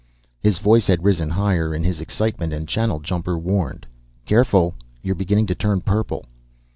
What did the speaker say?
His voice had risen higher in his excitement, and Channeljumper warned, "Careful, you're beginning to turn purple."